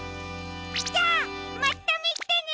じゃあまたみてね！